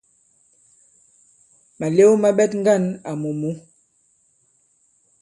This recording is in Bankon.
Màlew ma ɓɛt ŋgân àmù mǔ.